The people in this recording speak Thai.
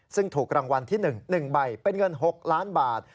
ซึ่งถูกรางวัลที่๑๑ใบเป็นเงิน๖ล้านบาท